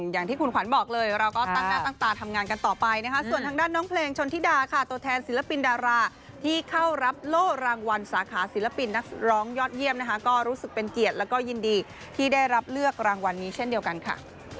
อย่างที่คุณขวัญบอกเลยเราก็ตั้งหน้าตั้งตาทำงานกันต่อไปนะคะส่วนทางด้านน้องเพลงชนธิดาค่ะตัวแทนศิลปินดาราที่เข้ารับโล่รางวัลสาขาศิลปินนักร้องยอดเยี่ยมนะคะก็รู้สึกเป็นเกียรติแล้วก็ยินดีที่ได้รับเลือกรางวัลนี้เช่นเดียวกันค่ะ